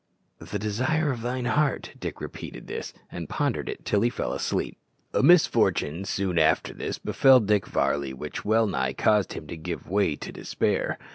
"The desire of thine heart" Dick repeated this, and pondered it till he fell asleep. A misfortune soon after this befell Dick Varley which well nigh caused him to give way to despair.